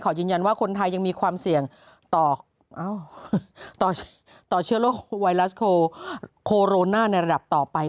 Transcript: ยืนยันว่าคนไทยยังมีความเสี่ยงต่อเชื้อโรคไวรัสโคโรนาในระดับต่อไป